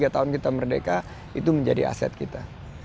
tiga tahun kita merdeka itu menjadi aset kita